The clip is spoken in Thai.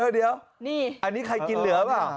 เดี๋ยวอันนี้ใครกินเหลือเปล่า